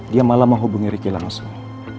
dia malah mau hubungi riki langsung